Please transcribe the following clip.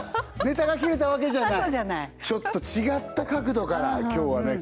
ネタが切れたわけじゃないそうじゃないちょっと違った角度から今日はね